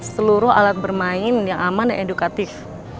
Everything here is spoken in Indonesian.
seluruh alat bermain yang aman dan edukatif